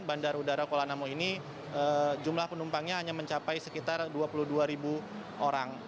bandara udara kuala namu ini jumlah penumpangnya hanya mencapai sekitar dua puluh dua orang